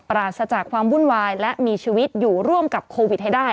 ราชจากความวุ่นวายและมีชีวิตอยู่ร่วมกับโควิดให้ได้